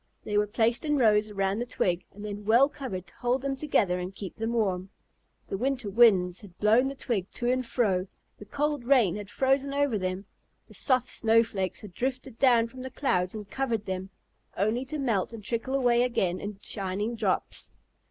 They were placed in rows around the twig, and then well covered to hold them together and keep them warm. The winter winds had blown the twig to and fro, the cold rain had frozen over them, the soft snowflakes had drifted down from the clouds and covered them, only to melt and trickle away again in shining drops.